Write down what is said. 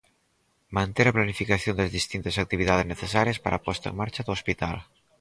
Manter a planificación das distintas actividades necesarias para a posta en marcha do hospital.